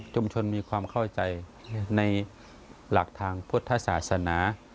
ชนมีความเข้าใจในหลักทางพุทธศาสนา